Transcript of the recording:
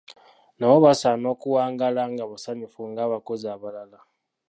Nabo basaana okuwangaala nga basanyufu ng'abakozi abalala.